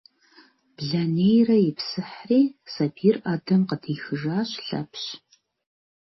Блэнейрэ ипсыхьри, сабийр ӏэдэм къыдихыжащ Лъэпщ.